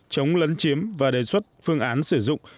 chống lấn chiếm và đề xuất phương án sử dụng